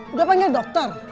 udah panggil dokter